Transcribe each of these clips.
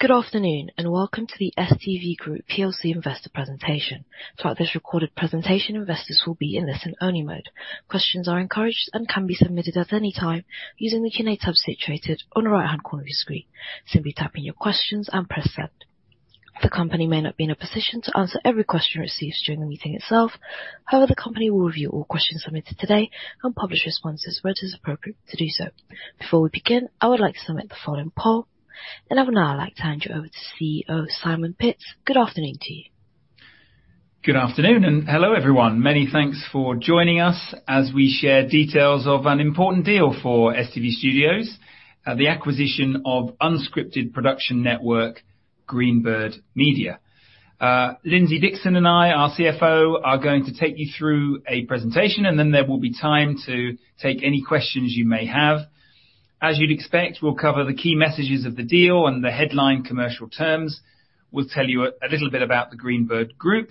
Good afternoon, and welcome to the STV Group Plc Investor Presentation. Throughout this recorded presentation, investors will be in listen-only mode. Questions are encouraged and can be submitted at any time using the Q&A tab situated on the right-hand corner of your screen. Simply type in your questions and press Send. The company may not be in a position to answer every question received during the meeting itself. However, the company will review all questions submitted today and publish responses where it is appropriate to do so. Before we begin, I would like to submit the following poll. Now I'd like to hand you over to CEO Simon Pitts. Good afternoon to you. Good afternoon, hello, everyone. Many thanks for joining us as we share details of an important deal for STV Studios, the acquisition of unscripted production network, Greenbird Media. Lindsay Dixon and I, our CFO, are going to take you through a presentation, then there will be time to take any questions you may have. As you'd expect, we'll cover the key messages of the deal and the headline commercial terms. We'll tell you a little bit about the Greenbird group,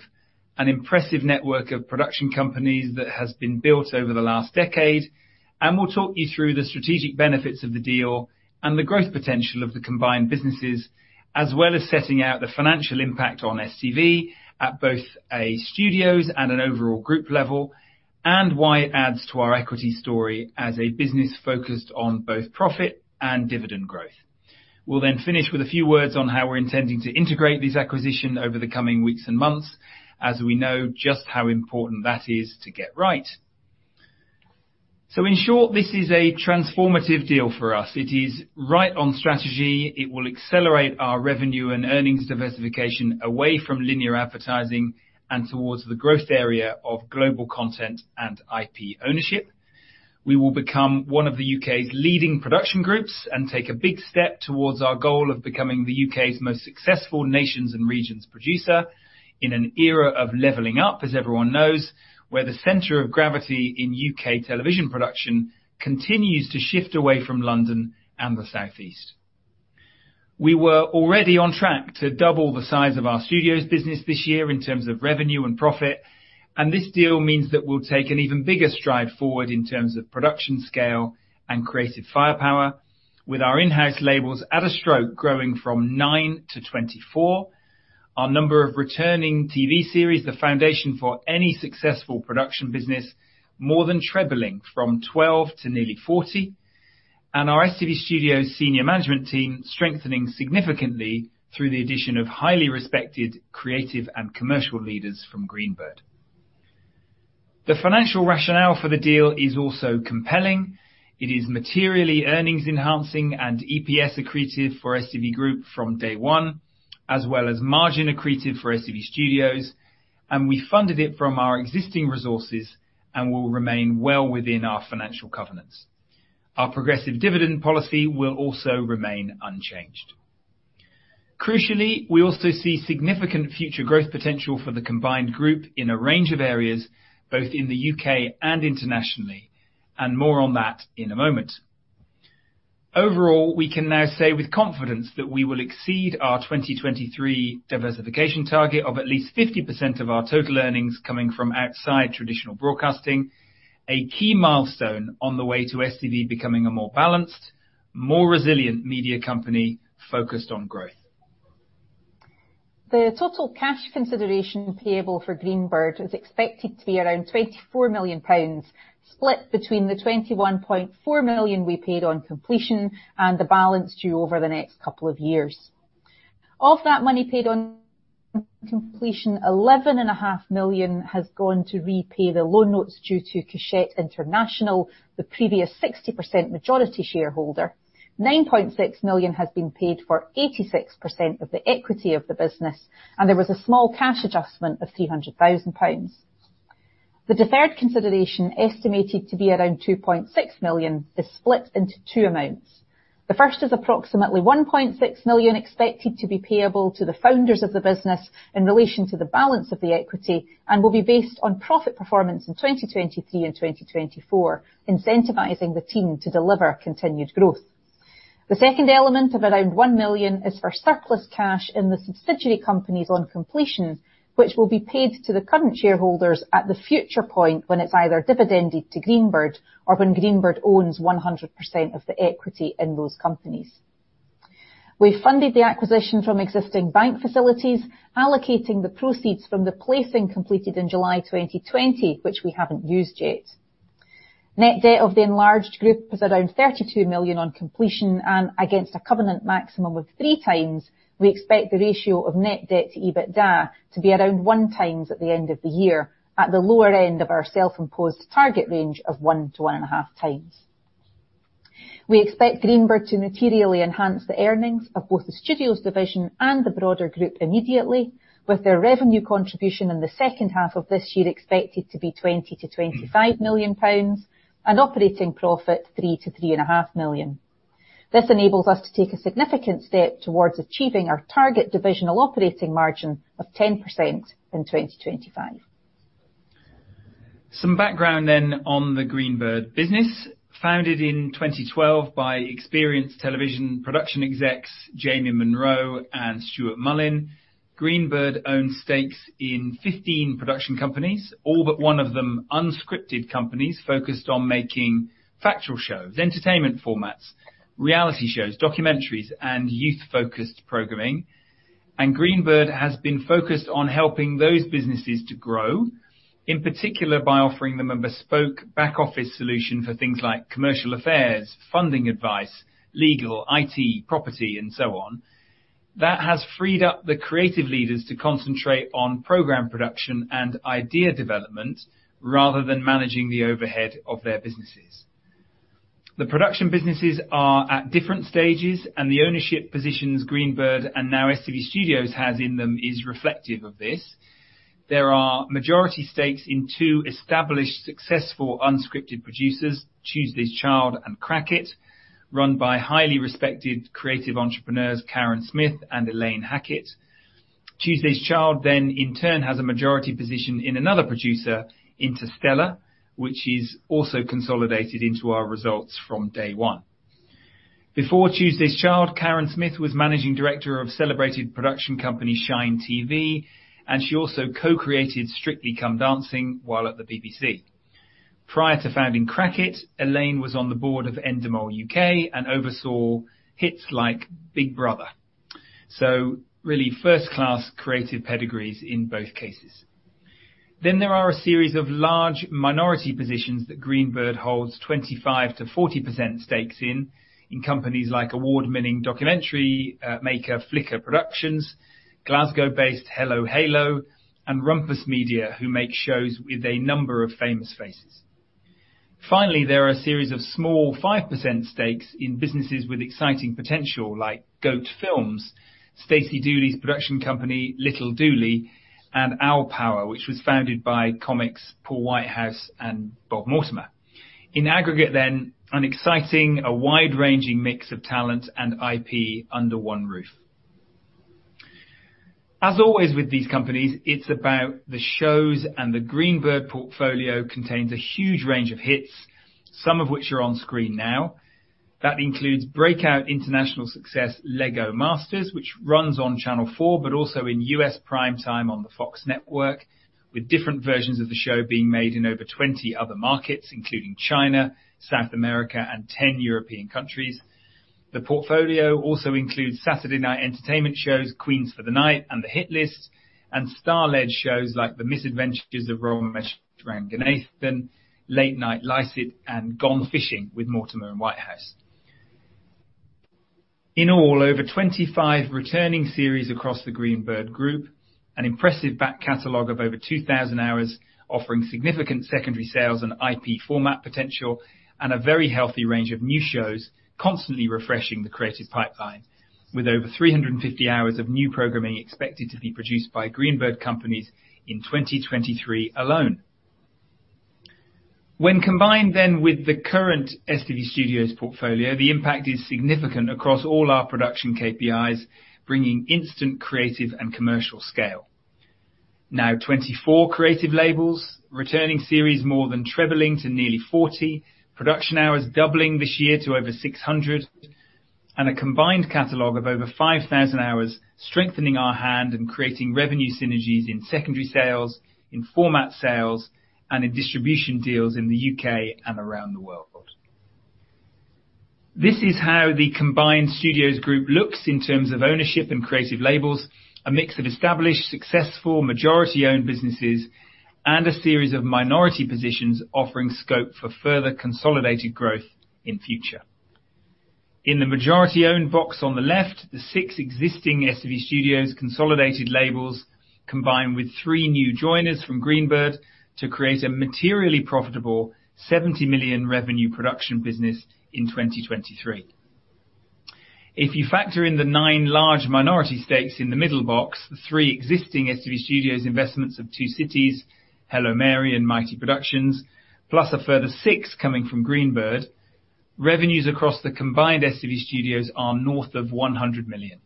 an impressive network of production companies that has been built over the last decade. We'll talk you through the strategic benefits of the deal and the growth potential of the combined businesses, as well as setting out the financial impact on STV at both a Studios and an overall group level, and why it adds to our equity story as a business focused on both profit and dividend growth. We'll finish with a few words on how we're intending to integrate this acquisition over the coming weeks and months, as we know just how important that is to get right. In short, this is a transformative deal for us. It is right on strategy. It will accelerate our revenue and earnings diversification away from linear advertising and towards the growth area of global content and IP ownership. We will become one of the U.K.'s leading production groups and take a big step towards our goal of becoming the U.K.'s most successful nations and regions producer in an era of leveling up, as everyone knows, where the center of gravity in U.K. television production continues to shift away from London and the Southeast. We were already on track to double the size of our studios business this year in terms of revenue and profit. This deal means that we'll take an even bigger stride forward in terms of production, scale, and creative firepower, with our in-house labels at a stroke, growing from 9 to 24. Our number of returning TV series, the foundation for any successful production business, more than trebling from 12 to nearly 40, and our STV Studios senior management team strengthening significantly through the addition of highly respected creative and commercial leaders from Greenbird. The financial rationale for the deal is also compelling. It is materially earnings enhancing and EPS accretive for STV Group from day one, as well as margin accretive for STV Studios, and we funded it from our existing resources and will remain well within our financial covenants. Our progressive dividend policy will also remain unchanged. Crucially, we also see significant future growth potential for the combined group in a range of areas, both in the U.K. and internationally, and more on that in a moment. Overall, we can now say with confidence that we will exceed our 2023 diversification target of at least 50% of our total earnings coming from outside traditional broadcasting, a key milestone on the way to STV becoming a more balanced, more resilient media company focused on growth. The total cash consideration payable for Greenbird is expected to be around 24 million pounds, split between the 21.4 million we paid on completion and the balance due over the next couple of years. Of that money paid on completion, eleven and a half million has gone to repay the loan notes due to Keshet International, the previous 60% majority shareholder. 9.6 million has been paid for 86% of the equity of the business, and there was a small cash adjustment of 300,000 pounds. The deferred consideration, estimated to be around 2.6 million, is split into two amounts. The first is approximately 1.6 million, expected to be payable to the founders of the business in relation to the balance of the equity and will be based on profit performance in 2023 and 2024, incentivizing the team to deliver continued growth. The second element of around 1 million is for surplus cash in the subsidiary companies on completion, which will be paid to the current shareholders at the future point when it's either dividended to Greenbird or when Greenbird owns 100% of the equity in those companies. We funded the acquisition from existing bank facilities, allocating the proceeds from the placing completed in July 2020, which we haven't used yet. Net debt of the enlarged group is around 32 million on completion. Against a covenant maximum of 3x, we expect the ratio of net debt to EBITDA to be around 1x at the end of the year, at the lower end of our self-imposed target range of 1-1.5x. We expect Greenbird to materially enhance the earnings of both the studios division and the broader group immediately, with their revenue contribution in the second half of this year expected to be 20 million-25 million pounds, and operating profit, 3 million-3 and a half million. This enables us to take a significant step towards achieving our target divisional operating margin of 10% in 2025. Some background on the Greenbird business. Founded in 2012 by experienced television production execs Jamie Munro and Stuart Mullen, Greenbird owns stakes in 15 production companies, all but one of them unscripted companies focused on making factual shows, entertainment formats, reality shows, documentaries, and youth-focused programming. Greenbird has been focused on helping those businesses to grow, in particular, by offering them a bespoke back-office solution for things like commercial affairs, funding advice, legal, IT, property, and so on. That has freed up the creative leaders to concentrate on program production and idea development, rather than managing the overhead of their businesses. The production businesses are at different stages, and the ownership positions Greenbird, and now STV Studios has in them, is reflective of this. There are majority stakes in two established, successful, unscripted producers, Tuesday's Child and Crackit Productions, run by highly respected creative entrepreneurs, Karen Smith and Elaine Hackett. Tuesday's Child then, in turn, has a majority position in another producer, Interstellar, which is also consolidated into our results from day one. Before Tuesday's Child, Karen Smith was managing director of celebrated production company, Shine TV, and she also co-created Strictly Come Dancing while at the BBC. Prior to founding Crackit Productions, Elaine was on the board of Endemol UK, and oversaw hits like Big Brother. Really first-class creative pedigrees in both cases. There are a series of large minority positions that Greenbird Media holds 25%-40% stakes in companies like award-winning documentary maker, Flicker Productions, Glasgow-based Hello Halo, and Rumpus Media, who make shows with a number of famous faces. There are a series of small 5% stakes in businesses with exciting potential, like Goat Films, Stacey Dooley's production company, Little Dooley, and Owl Power, which was founded by comics Paul Whitehouse and Bob Mortimer. An exciting, a wide-ranging mix of talent and IP under one roof. As always, with these companies, it's about the shows. The Greenbird portfolio contains a huge range of hits, some of which are on screen now. That includes breakout international success, LEGO Masters, which runs on Channel 4, but also in U.S. prime time on the FOX network, with different versions of the show being made in over 20 other markets, including China, South America, and 10 European countries. The portfolio also includes Saturday night entertainment shows, Queens for the Night and The Hit List, and star-led shows like The Misadventures of Romesh Ranganathan, then Late Night Lycett, and Gone Fishing with Mortimer and Whitehouse. In all, over 25 returning series across the Greenbird group, an impressive back catalog of over 2,000 hours, offering significant secondary sales and IP format potential, and a very healthy range of new shows, constantly refreshing the creative pipeline, with over 350 hours of new programming expected to be produced by Greenbird companies in 2023 alone. When combined then with the current STV Studios portfolio, the impact is significant across all our production KPIs, bringing instant creative and commercial scale. 24 creative labels, returning series more than trebling to nearly 40, production hours doubling this year to over 600, and a combined catalog of over 5,000 hours, strengthening our hand and creating revenue synergies in secondary sales, in format sales, and in distribution deals in the U.K. and around the world. This is how the combined studios group looks in terms of ownership and creative labels, a mix of established, successful, majority-owned businesses, and a series of minority positions offering scope for further consolidated growth in future. In the majority-owned box on the left, the six existing STV Studios consolidated labels, combined with three new joiners from Greenbird, to create a materially profitable 70 million revenue production business in 2023. If you factor in the nine large minority stakes in the middle box, the three existing STV Studios investments of Two Cities, Hello Mary, and Mighty Productions, plus a further six coming from Greenbird, revenues across the combined STV Studios are north of 100 million.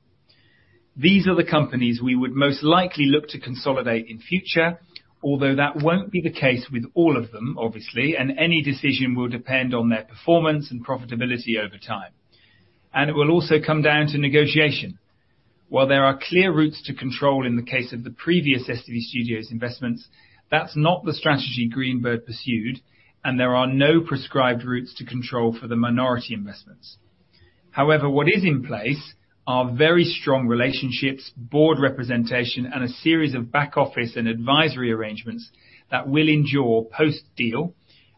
These are the companies we would most likely look to consolidate in future, although that won't be the case with all of them, obviously, and any decision will depend on their performance and profitability over time. It will also come down to negotiation. While there are clear routes to control in the case of the previous STV Studios investments, that's not the strategy Greenbird pursued, and there are no prescribed routes to control for the minority investments. However, what is in place are very strong relationships, board representation, and a series of back office and advisory arrangements that will endure post-deal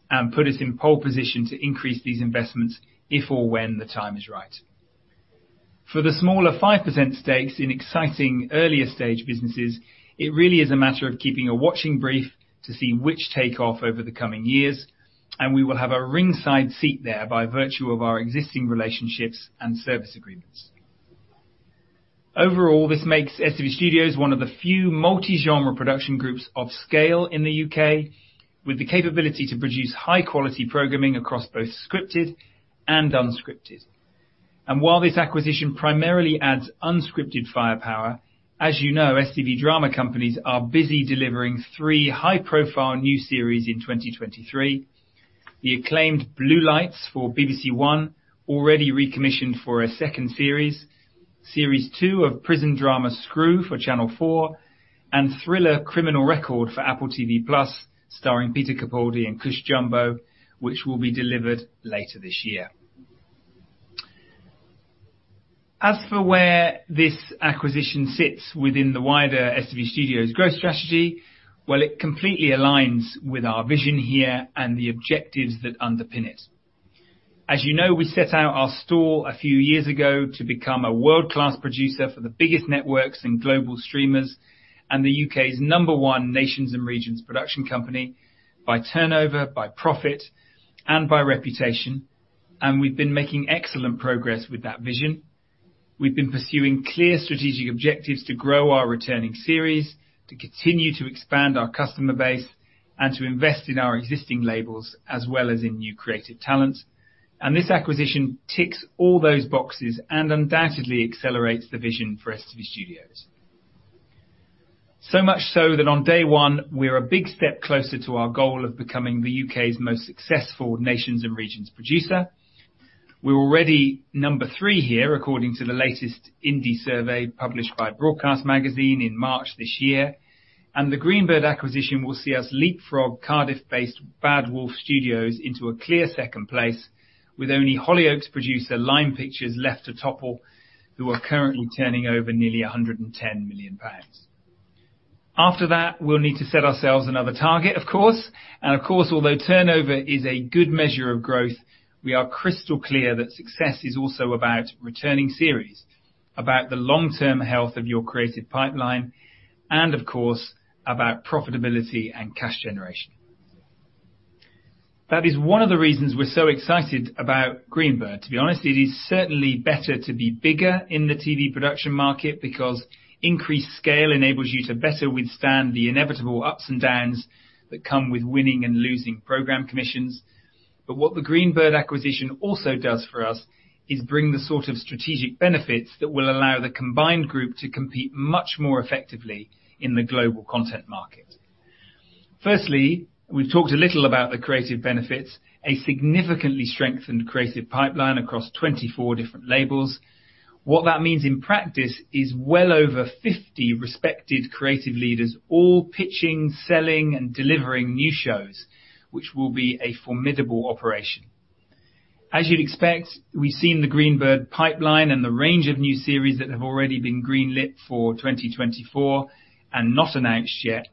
and put us in pole position to increase these investments if or when the time is right. For the smaller 5% stakes in exciting earlier stage businesses, it really is a matter of keeping a watching brief to see which take off over the coming years, we will have a ringside seat there by virtue of our existing relationships and service agreements. Overall, this makes STV Studios one of the few multi-genre production groups of scale in the UK, with the capability to produce high-quality programming across both scripted and unscripted. While this acquisition primarily adds unscripted firepower, as you know, STV drama companies are busy delivering three high-profile new series in 2023. The acclaimed Blue Lights for BBC One, already recommissioned for a second series, Series 2 of prison drama, Screw for Channel 4, and thriller, Criminal Record for Apple TV+, starring Peter Capaldi and Cush Jumbo, which will be delivered later this year. As for where this acquisition sits within the wider STV Studios growth strategy, well, it completely aligns with our vision here and the objectives that underpin it. As you know, we set out our stall a few years ago to become a world-class producer for the biggest networks and global streamers, and the U.K.'s number one nations and regions production company by turnover, by profit, and by reputation, and we've been making excellent progress with that vision. We've been pursuing clear strategic objectives to grow our returning series, to continue to expand our customer base, and to invest in our existing labels, as well as in new creative talents. This acquisition ticks all those boxes and undoubtedly accelerates the vision for STV Studios. Much so that on day one, we are a big step closer to our goal of becoming the U.K.'s most successful nations and regions producer. We're already number three here, according to the latest Indie Survey published by Broadcast Magazine in March this year, and the Greenbird acquisition will see us leapfrog Cardiff-based Bad Wolf Studios into a clear second place, with only Hollyoaks producer, Lime Pictures, left to topple, who are currently turning over nearly 110 million pounds. After that, we'll need to set ourselves another target, of course. Of course, although turnover is a good measure of growth, we are crystal clear that success is also about returning series, about the long-term health of your creative pipeline, and of course, about profitability and cash generation. That is one of the reasons we're so excited about Greenbird. To be honest, it is certainly better to be bigger in the TV production market because increased scale enables you to better withstand the inevitable ups and downs that come with winning and losing program commissions. What the Greenbird acquisition also does for us, is bring the sort of strategic benefits that will allow the combined group to compete much more effectively in the global content market. Firstly, we've talked a little about the creative benefits, a significantly strengthened creative pipeline across 24 different labels. What that means in practice is well over 50 respected creative leaders, all pitching, selling, and delivering new shows, which will be a formidable operation. As you'd expect, we've seen the Greenbird pipeline and the range of new series that have already been green-lit for 2024 and not announced yet.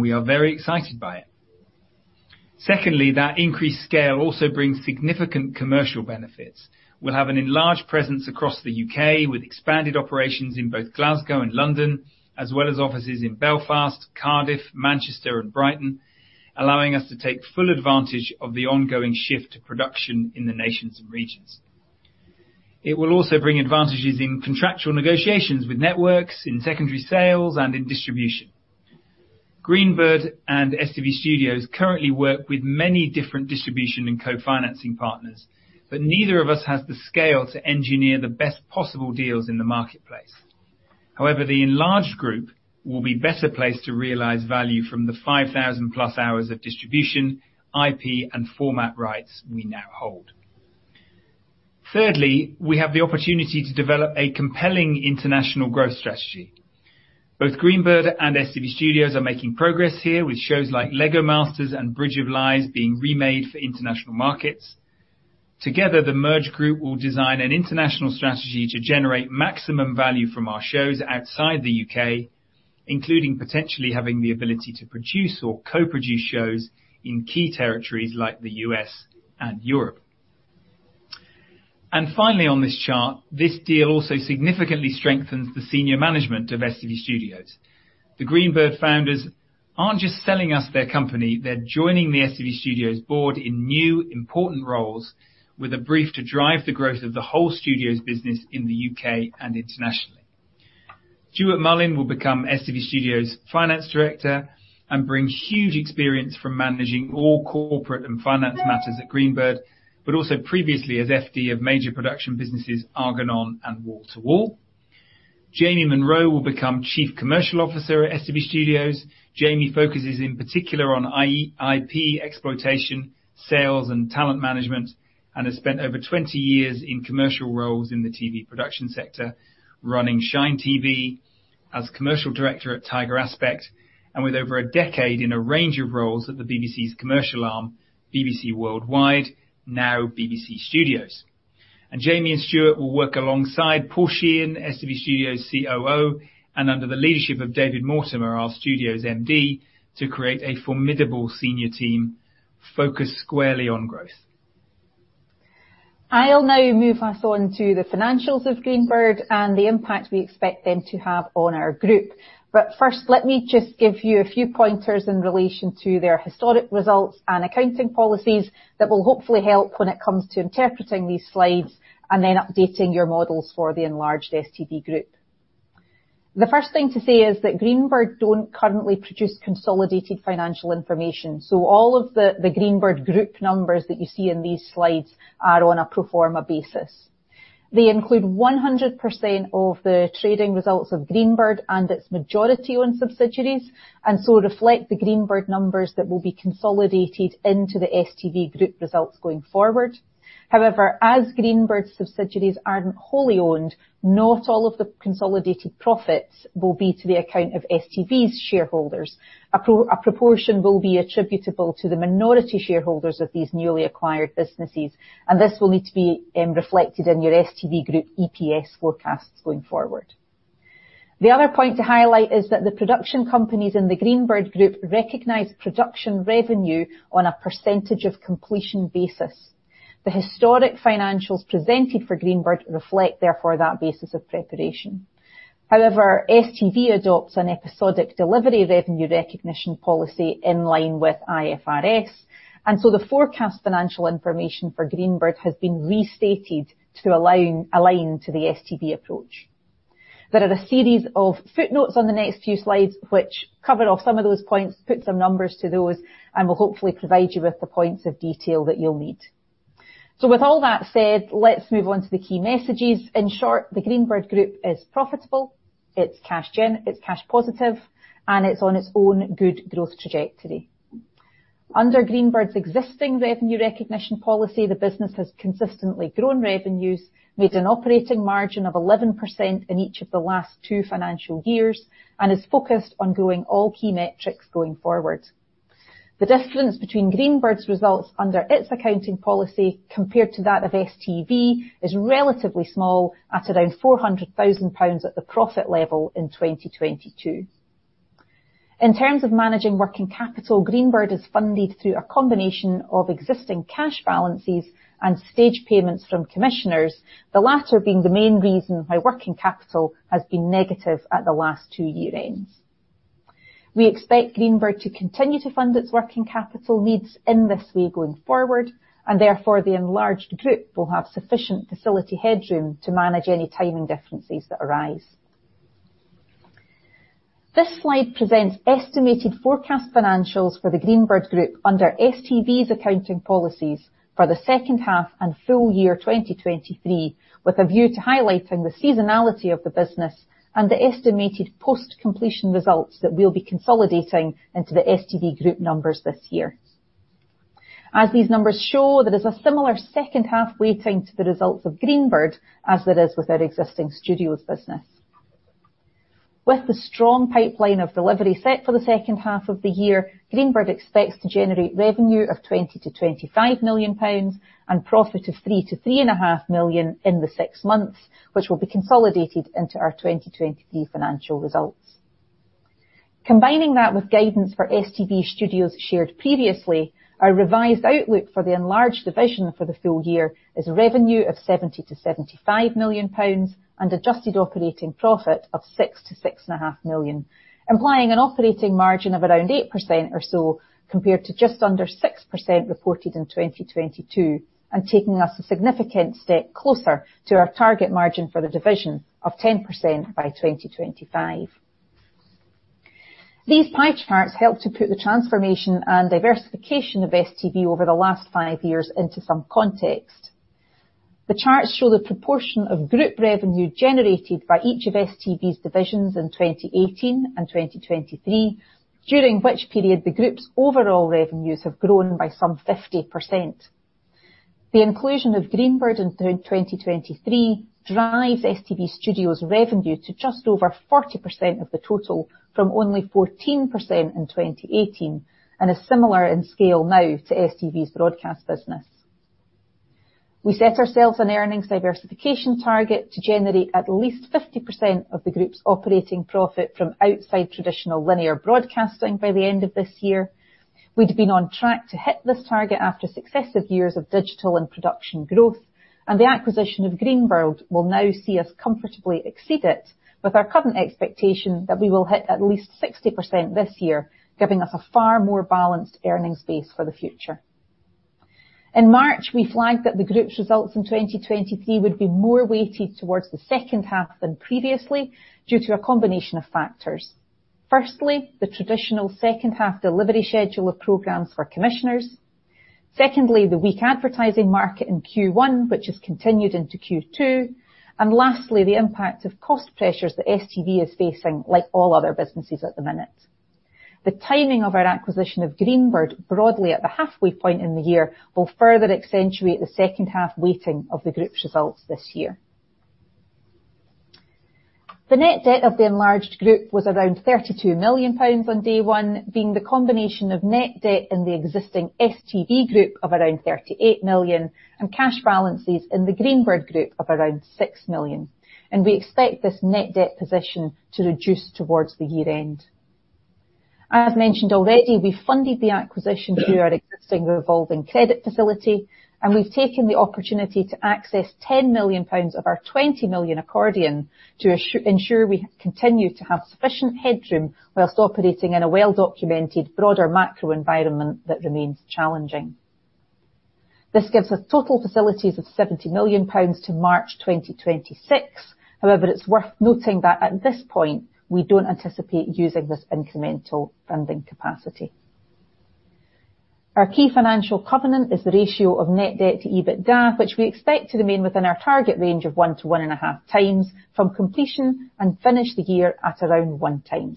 We are very excited by it. Secondly, that increased scale also brings significant commercial benefits. We'll have an enlarged presence across the U.K., with expanded operations in both Glasgow and London, as well as offices in Belfast, Cardiff, Manchester, and Brighton, allowing us to take full advantage of the ongoing shift to production in the nations and regions. It will also bring advantages in contractual negotiations with networks, in secondary sales, and in distribution. Greenbird and STV Studios currently work with many different distribution and co-financing partners, but neither of us has the scale to engineer the best possible deals in the marketplace. The enlarged group will be better placed to realize value from the 5,000+ hours of distribution, IP, and format rights we now hold. Thirdly, we have the opportunity to develop a compelling international growth strategy. Both Greenbird and STV Studios are making progress here with shows like LEGO Masters and Bridge of Lies being remade for international markets. Together, the merged group will design an international strategy to generate maximum value from our shows outside the U.K., including potentially having the ability to produce or co-produce shows in key territories like the U.S. and Europe. Finally, on this chart, this deal also significantly strengthens the senior management of STV Studios. The Greenbird founders aren't just selling us their company, they're joining the STV Studios board in new, important roles with a brief to drive the growth of the whole Studios business in the U.K. and internationally. Stuart Mullen will become STV Studios Finance Director and bring huge experience from managing all corporate and finance matters at Greenbird, but also previously as FD of major production businesses, Argonon and Wall to Wall. Jamie Munro will become Chief Commercial Officer at STV Studios. Jamie focuses in particular on IP exploitation, sales, and talent management, and has spent over 20 years in commercial roles in the TV production sector, running Shine TV as Commercial Director at Tiger Aspect, and with over a decade in a range of roles at the BBC's commercial arm, BBC Worldwide, now BBC Studios. Jamie and Stuart will work alongside Paul Sheehan, STV Studios COO, and under the leadership of David Mortimer, our studios MD, to create a formidable senior team focused squarely on growth. I'll now move us on to the financials of Greenbird and the impact we expect them to have on our group. First, let me just give you a few pointers in relation to their historic results and accounting policies that will hopefully help when it comes to interpreting these slides and then updating your models for the enlarged STV Group. The first thing to say is that Greenbird don't currently produce consolidated financial information, all of the Greenbird group numbers that you see in these slides are on a pro forma basis. They include 100% of the trading results of Greenbird and its majority-owned subsidiaries, reflect the Greenbird numbers that will be consolidated into the STV Group results going forward. However, as Greenbird subsidiaries aren't wholly owned, not all of the consolidated profits will be to the account of STV's shareholders. A proportion will be attributable to the minority shareholders of these newly acquired businesses, and this will need to be reflected in your STV Group EPS forecasts going forward. The other point to highlight is that the production companies in the Greenbird Group recognize production revenue on a percentage of completion basis. The historic financials presented for Greenbird reflect, therefore, that basis of preparation. However, STV adopts an episodic delivery of revenue recognition policy in line with IFRS. The forecast financial information for Greenbird has been restated to align to the STV approach. There are a series of footnotes on the next few slides, which cover off some of those points, put some numbers to those, and will hopefully provide you with the points of detail that you'll need. With all that said, let's move on to the key messages. In short, the Greenbird group is profitable, it's cash gen, it's cash positive, and it's on its own good growth trajectory. Under Greenbird's existing revenue recognition policy, the business has consistently grown revenues, made an operating margin of 11% in each of the last two financial years, and is focused on growing all key metrics going forward. The difference between Greenbird's results under its accounting policy compared to that of STV, is relatively small, at around 400,000 pounds at the profit level in 2022. In terms of managing working capital, Greenbird is funded through a combination of existing cash balances and stage payments from commissioners, the latter being the main reason why working capital has been negative at the last two year-ends. We expect Greenbird to continue to fund its working capital needs in this way going forward, and therefore, the enlarged group will have sufficient facility headroom to manage any timing differences that arise. This slide presents estimated forecast financials for the Greenbird group under STV's accounting policies for the second half and full year 2023, with a view to highlighting the seasonality of the business and the estimated post-completion results that we'll be consolidating into the STV group numbers this year. As these numbers show, there is a similar second half weighting to the results of Greenbird as there is with our existing studios business. With the strong pipeline of delivery set for the second half of the year, Greenbird expects to generate revenue of 20 million-25 million pounds, and profit of 3 million-3.5 million in the 6 months, which will be consolidated into our 2023 financial results. Combining that with guidance for STV Studios shared previously, our revised outlook for the enlarged division for the full year is revenue of 70 million-75 million pounds, and Adjusted operating profit of 6 million-6.5 million, implying an operating margin of around 8% or so, compared to just under 6% reported in 2022, and taking us a significant step closer to our target margin for the division of 10% by 2025. These pie charts help to put the transformation and diversification of STV over the last five years into some context. The charts show the proportion of group revenue generated by each of STV's divisions in 2018 and 2023, during which period the group's overall revenues have grown by some 50%. The inclusion of Greenbird in 2023 drives STV Studios' revenue to just over 40% of the total, from only 14% in 2018, and is similar in scale now to STV's broadcast business. We set ourselves an earnings diversification target to generate at least 50% of the group's operating profit from outside traditional linear broadcasting by the end of this year. We'd been on track to hit this target after successive years of digital and production growth. The acquisition of Greenbird will now see us comfortably exceed it, with our current expectation that we will hit at least 60% this year, giving us a far more balanced earnings base for the future. In March, we flagged that the group's results in 2023 would be more weighted towards the second half than previously, due to a combination of factors. Firstly, the traditional second half delivery schedule of programs for commissioners. Secondly, the weak advertising market in Q1, which has continued into Q2. Lastly, the impact of cost pressures that STV is facing, like all other businesses at the minute. The timing of our acquisition of Greenbird, broadly at the halfway point in the year, will further accentuate the second half weighting of the group's results this year. The net debt of the enlarged group was around 32 million pounds on day one, being the combination of net debt in the existing STV Group of around 38 million, and cash balances in the Greenbird group of around 6 million. We expect this net debt position to reduce towards the year end. As mentioned already, we funded the acquisition through our existing revolving credit facility, and we've taken the opportunity to access 10 million pounds of our 20 million accordion to ensure we continue to have sufficient headroom whilst operating in a well-documented, broader macro environment that remains challenging. This gives us total facilities of 70 million pounds to March 2026. It's worth noting that at this point, we don't anticipate using this incremental funding capacity. Our key financial covenant is the ratio of net debt to EBITDA, which we expect to remain within our target range of 1x-1.5x, from completion, and finish the year at around 1x.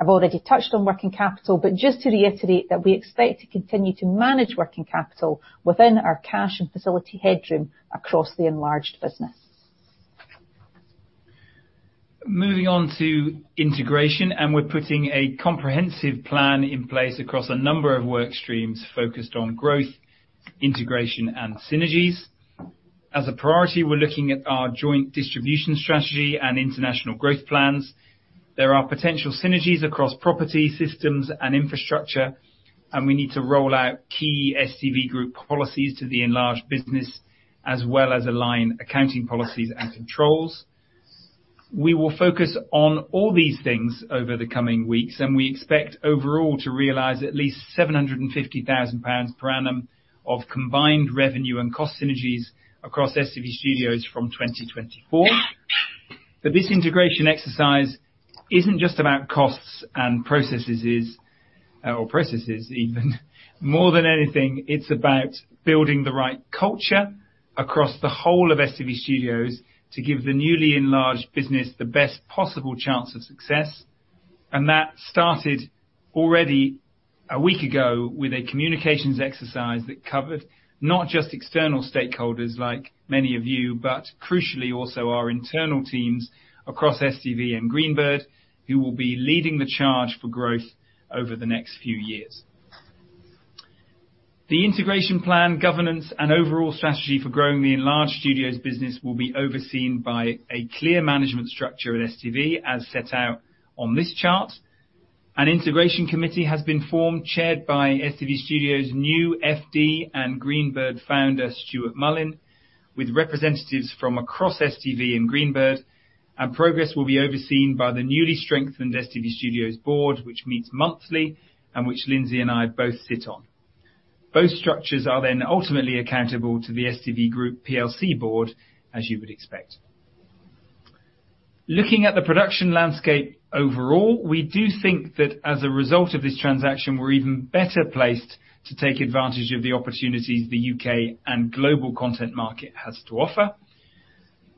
I've already touched on working capital. Just to reiterate that we expect to continue to manage working capital within our cash and facility headroom across the enlarged business. Moving on to integration, we're putting a comprehensive plan in place across a number of work streams focused on growth, integration, and synergies. As a priority, we're looking at our joint distribution strategy and international growth plans. There are potential synergies across property, systems, and infrastructure, we need to roll out key STV Group policies to the enlarged business, as well as align accounting policies and controls. We will focus on all these things over the coming weeks, we expect overall to realize at least 750,000 pounds per annum of combined revenue and cost synergies across STV Studios from 2024. This integration exercise isn't just about costs and processes, or processes even. More than anything, it's about building the right culture across the whole of STV Studios to give the newly enlarged business the best possible chance of success. That started already a week ago with a communications exercise that covered not just external stakeholders, like many of you, but crucially, also our internal teams across STV and Greenbird, who will be leading the charge for growth over the next few years. The integration plan, governance, and overall strategy for growing the enlarged Studios business will be overseen by a clear management structure at STV, as set out on this chart. An integration committee has been formed, chaired by STV Studios' new FD and Greenbird founder, Stuart Mullen, with representatives from across STV and Greenbird, and progress will be overseen by the newly strengthened STV Studios board, which meets monthly, and which Lindsay and I both sit on. Both structures are ultimately accountable to the STV Group Plc board, as you would expect. Looking at the production landscape overall, we do think that as a result of this transaction, we're even better placed to take advantage of the opportunities the UK and global content market has to offer.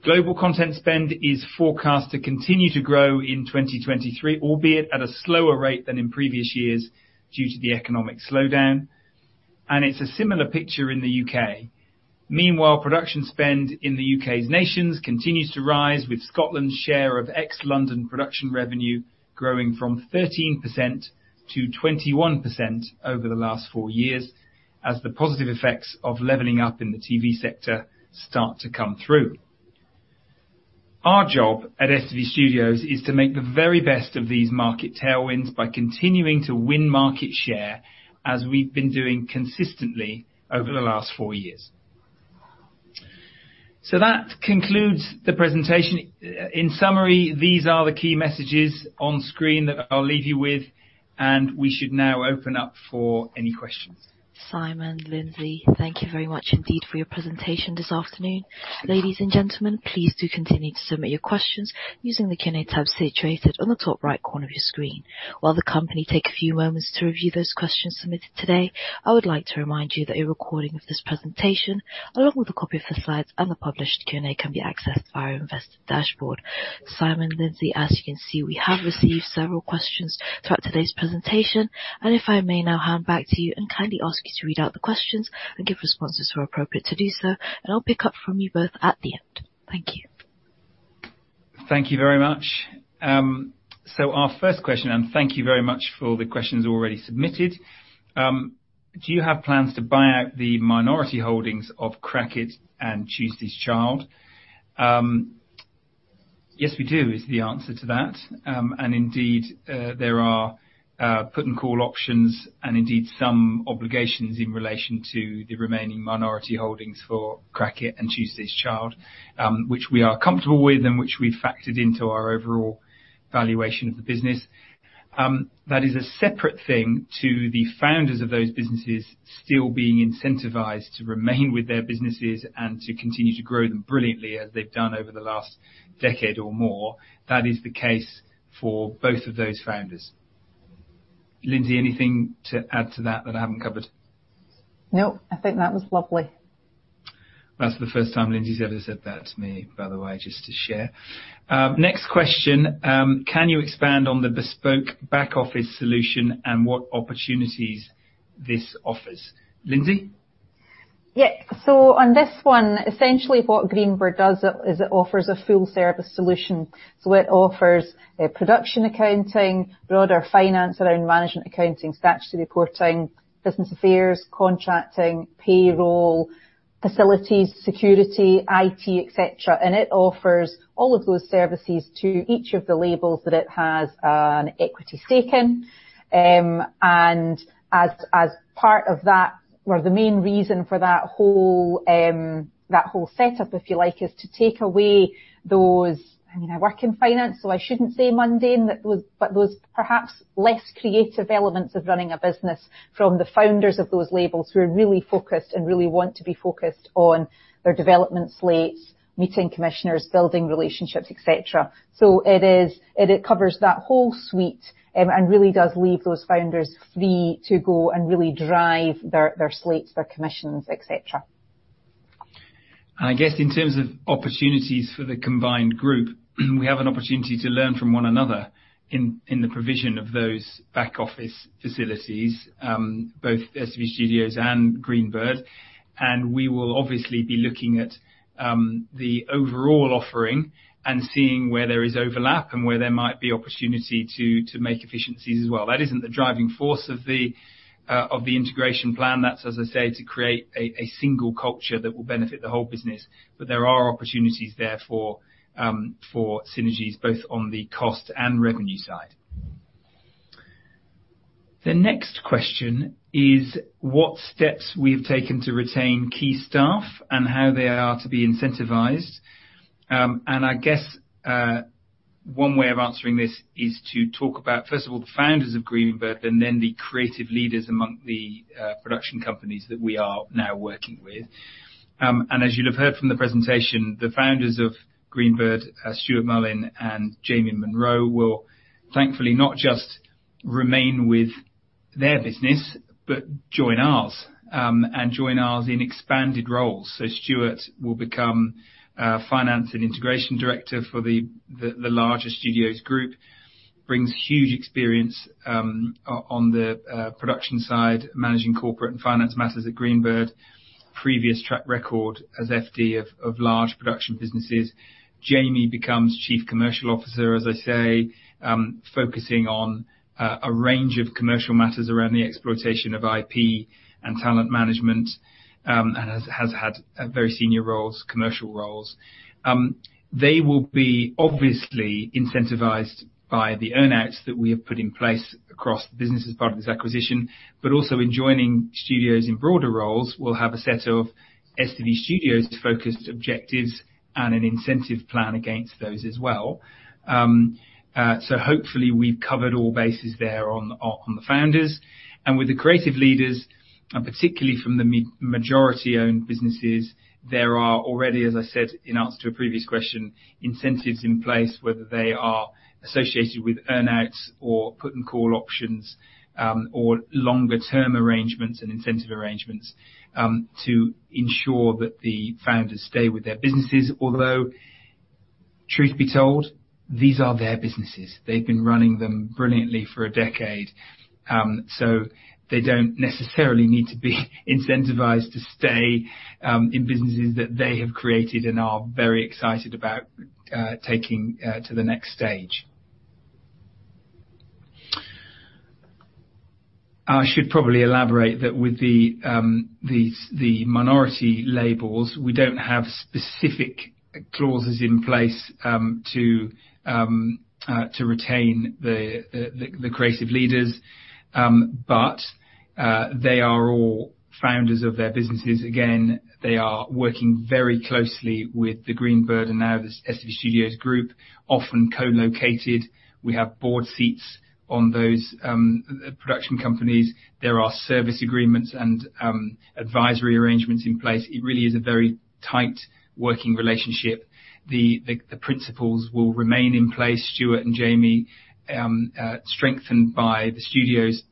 Global content spend is forecast to continue to grow in 2023, albeit at a slower rate than in previous years due to the economic slowdown, and it's a similar picture in the UK. Meanwhile, production spend in the UK's nations continues to rise, with Scotland's share of ex-London production revenue growing from 13%-21% over the last four years, as the positive effects of leveling up in the TV sector start to come through. Our job at STV Studios is to make the very best of these market tailwinds by continuing to win market share, as we've been doing consistently over the last four years. That concludes the presentation. In summary, these are the key messages on screen that I'll leave you with. We should now open up for any questions. Simon, Lindsay, thank you very much indeed for your presentation this afternoon. Ladies and gentlemen, please do continue to submit your questions using the Q&A tab situated on the top right corner of your screen. While the company take a few moments to review those questions submitted today, I would like to remind you that a recording of this presentation, along with a copy of the slides and the published Q&A, can be accessed via Investor Dashboard. Simon, Lindsay, as you can see, we have received several questions throughout today's presentation, and if I may now hand back to you and kindly ask you to read out the questions and give responses where appropriate to do so, and I'll pick up from you both at the end. Thank you. Thank you very much. Our first question, and thank you very much for all the questions already submitted. Do you have plans to buy out the minority holdings of Crackit Productions and Tuesday's Child? Yes, we do, is the answer to that. Indeed, there are put and call options and indeed some obligations in relation to the remaining minority holdings for Crackit Productions and Tuesday's Child, which we are comfortable with and which we've factored into our overall valuation of the business. That is a separate thing to the founders of those businesses still being incentivized to remain with their businesses and to continue to grow them brilliantly, as they've done over the last decade or more. That is the case for both of those founders. Lindsay, anything to add to that I haven't covered? Nope. I think that was lovely. That's the first time Lindsay's ever said that to me, by the way, just to share. Next question. Can you expand on the bespoke back office solution and what opportunities this offers? Lindsay? Yeah. On this one, essentially what Greenbird does is it offers a full-service solution, so it offers a production accounting, broader finance around management accounting, statutory reporting, business affairs, contracting, payroll, facilities, security, IT, et cetera. And as part of that or the main reason for that whole setup, if you like, is to take away those... I mean, I work in finance, so I shouldn't say mundane, but those perhaps less creative elements of running a business from the founders of those labels, who are really focused and really want to be focused on their development slates, meeting commissioners, building relationships, et cetera. It covers that whole suite, and really does leave those founders free to go and really drive their slates, their commissions, et cetera. I guess in terms of opportunities for the combined group, we have an opportunity to learn from one another in the provision of those back office facilities, both STV Studios and Greenbird. We will obviously be looking at the overall offering and seeing where there is overlap and where there might be opportunity to make efficiencies as well. That isn't the driving force of the integration plan. That's, as I said, to create a single culture that will benefit the whole business. There are opportunities there for synergies, both on the cost and revenue side. The next question is, what steps we've taken to retain key staff and how they are to be incentivized? I guess, one way of answering this is to talk about, first of all, the founders of Greenbird, and then the creative leaders among the production companies that we are now working with. As you'd have heard from the presentation, the founders of Greenbird, Stuart Mullen and Jamie Munro, will thankfully not just remain with their business, but join ours. Join ours in expanded roles. Stuart will become finance and integration director for the larger STV Studios group. Brings huge experience on the production side, managing corporate and finance matters at Greenbird. Previous track record as FD of large production businesses. Jamie becomes chief commercial officer, as I say, focusing on a range of commercial matters around the exploitation of IP and talent management, and has had very senior roles, commercial roles. They will be obviously incentivized by the earn-outs that we have put in place across the business as part of this acquisition, but also in joining studios in broader roles, will have a set of STV Studios focused objectives and an incentive plan against those as well. Hopefully we've covered all bases there on the founders. With the creative leaders, and particularly from the majority-owned businesses, there are already, as I said in answer to a previous question, incentives in place whether they are associated with earn-outs or put and call options, or longer-term arrangements and incentive arrangements, to ensure that the founders stay with their businesses. Although, truth be told, these are their businesses. They've been running them brilliantly for a decade, so they don't necessarily need to be incentivized to stay in businesses that they have created and are very excited about taking to the next stage. I should probably elaborate that with the minority labels, we don't have specific clauses in place to retain the creative leaders. They are all founders of their businesses. Again, they are working very closely with the Greenbird Media, and now this STV Studios group, often co-located. We have board seats on those production companies. There are service agreements and advisory arrangements in place. It really is a very tight working relationship. The principals will remain in place, Stuart Mullen and Jamie Munro, strengthened by the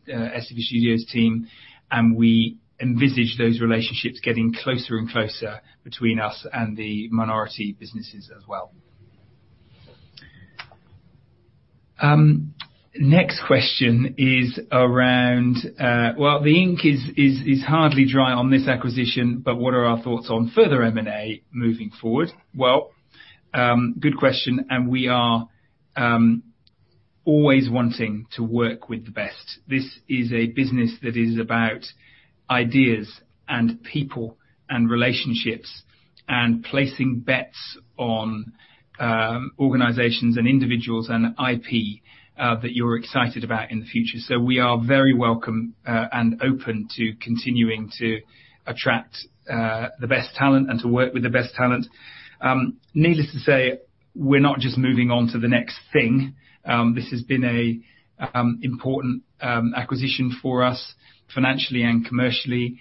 STV Studios team, and we envisage those relationships getting closer and closer between us and the minority businesses as well. Next question is around, well, the ink is hardly dry on this acquisition, but what are our thoughts on further M&A moving forward? Well, good question, and we are always wanting to work with the best. This is a business that is about ideas and people and relationships, and placing bets on organizations and individuals and IP that you're excited about in the future. We are very welcome and open to continuing to attract the best talent and to work with the best talent. Needless to say, we're not just moving on to the next thing. This has been a important acquisition for us, financially and commercially.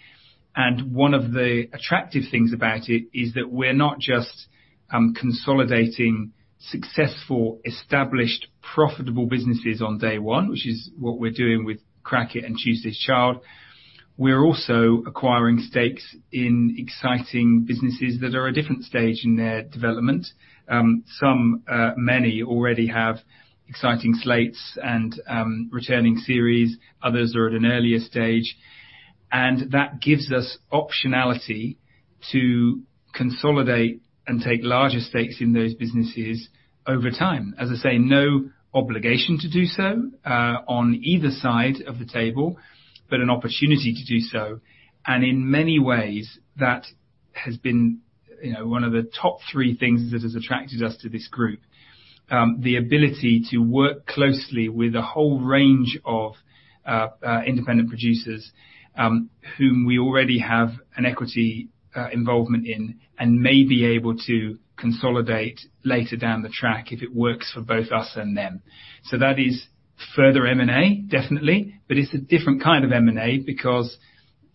One of the attractive things about it is that we're not just consolidating successful, established, profitable businesses on day one, which is what we're doing with Crackit and Tuesday's Child. We're also acquiring stakes in exciting businesses that are at a different stage in their development. Some, many already have exciting slates and returning series, others are at an earlier stage. That gives us optionality to consolidate and take larger stakes in those businesses over time. As I say, no obligation to do so, on either side of the table, but an opportunity to do so. In many ways, that has been, you know, one of the top three things that has attracted us to this group. The ability to work closely with a whole range of independent producers, whom we already have an equity involvement in, and may be able to consolidate later down the track if it works for both us and them. That is further M&A, definitely, but it's a different kind of M&A because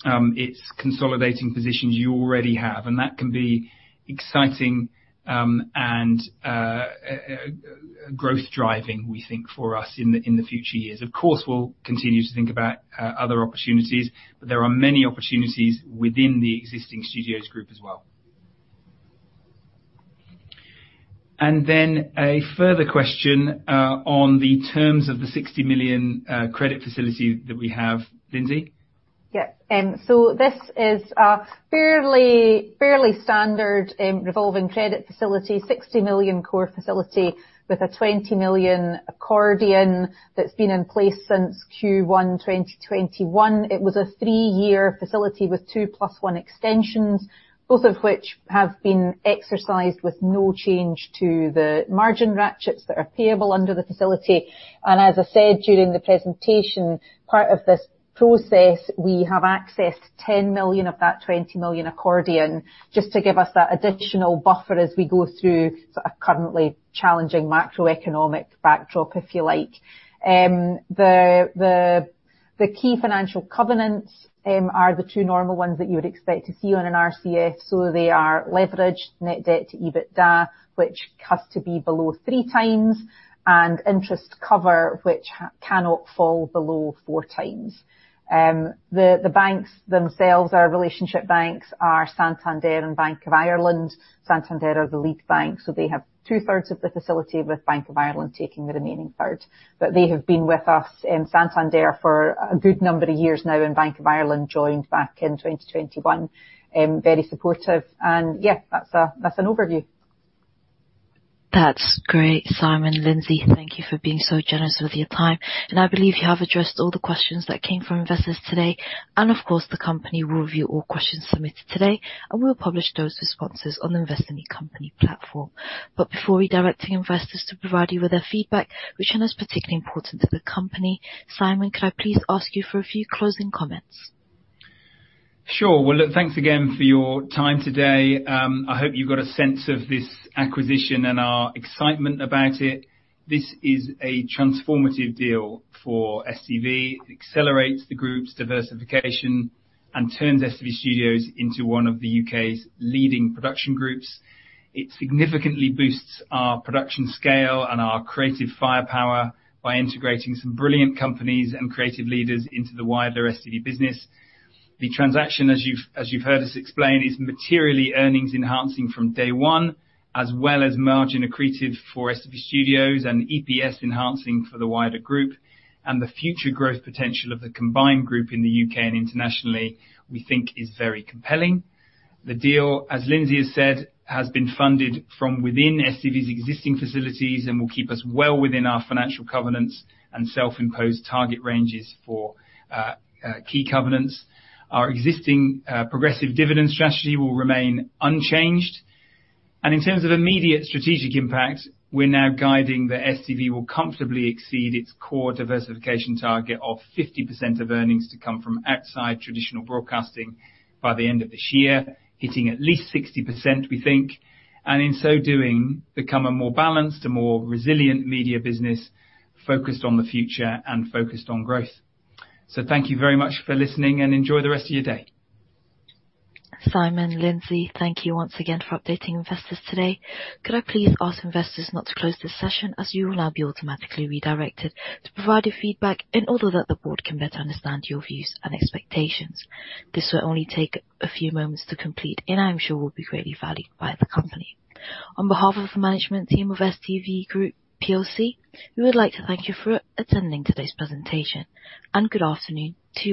it's consolidating positions you already have, and that can be exciting, and growth driving, we think, for us in the future years. Of course, we'll continue to think about other opportunities, but there are many opportunities within the existing STV Studios group as well. A further question on the terms of the 60 million credit facility that we have. Lindsay? Yes. This is a fairly standard revolving credit facility, 60 million core facility with a 20 million accordion that's been in place since Q1 2021. It was a three-year facility with two plus one extensions, both of which have been exercised with no change to the margin ratchets that are payable under the facility. As I said, during the presentation, part of this process, we have accessed 10 million of that 20 million accordion just to give us that additional buffer as we go through a currently challenging macroeconomic backdrop, if you like. The key financial covenants are the two normal ones that you would expect to see on an RCF. They are leverage, net debt to EBITDA, which has to be below 3x, and interest cover, which cannot fall below 4x. The banks themselves, our relationship banks, are Santander and Bank of Ireland. Santander are the lead bank, so they have 2/3 of the facility, with Bank of Ireland taking the remaining third. They have been with us, and Santander for a good number of years now, and Bank of Ireland joined back in 2021, very supportive and that's an overview. That's great, Simon. Lindsay, thank you for being so generous with your time. I believe you have addressed all the questions that came from investors today. Of course, the company will review all questions submitted today, and we'll publish those responses on the Investor Meet Company company platform. Before we direct the investors to provide you with their feedback, which is particularly important to the company, Simon, could I please ask you for a few closing comments? Sure. Well, look, thanks again for your time today. I hope you've got a sense of this acquisition and our excitement about it. This is a transformative deal for STV. It accelerates the group's diversification and turns STV Studios into one of the U.K.'s leading production groups. It significantly boosts our production scale and our creative firepower by integrating some brilliant companies and creative leaders into the wider STV business. The transaction, as you've heard us explain, is materially earnings enhancing from day one, as well as margin accretive for STV Studios and EPS enhancing for the wider group. The future growth potential of the combined group in the U.K. and internationally, we think is very compelling. The deal, as Lindsay has said, has been funded from within STV's existing facilities and will keep us well within our financial covenants and self-imposed target ranges for key covenants. Our existing progressive dividend strategy will remain unchanged. In terms of immediate strategic impact, we're now guiding that STV will comfortably exceed its core diversification target of 50% of earnings to come from outside traditional broadcasting by the end of this year, hitting at least 60%, we think, and in so doing, become a more balanced and more resilient media business, focused on the future and focused on growth. Thank you very much for listening, and enjoy the rest of your day. Simon, Lindsay, thank you once again for updating investors today. Could I please ask investors not to close this session, as you will now be automatically redirected to provide your feedback in order that the board can better understand your views and expectations. This will only take a few moments to complete, and I am sure will be greatly valued by the company. On behalf of the management team of STV Group plc, we would like to thank you for attending today's presentation, and good afternoon to you.